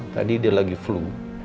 tadi dia lagi flu